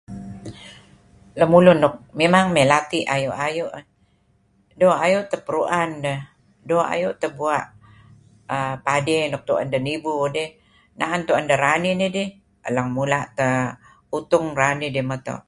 Lemulun nuk ngimet may lati' may ayu'-ayu' doo' ayu' teh peruan deh doo' ayu' teh bua' padi nuk tuen deh nibu dih naen tuen deh ranih nidih lang mula' teh utung ranih dih meto'.